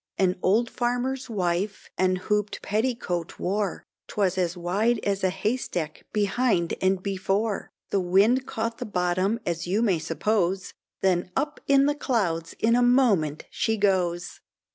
An old farmer's wife an hooped petticoat wore, 'Twas as wide as an haystack behind and before, The wind caught the bottom as you may suppose, Then up in the clouds in a moment she goes.